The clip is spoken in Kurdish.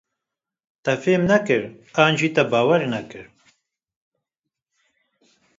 Te fêm nekir an jî te bawer nekir?